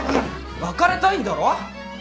別れたいんだろ。